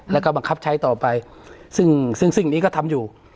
แล้วก็บังคับใช้ต่อไปซึ่งซึ่งสิ่งนี้ก็ทำอยู่